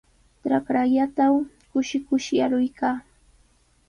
Trakrallaatraw kushi kushi arukuykaa.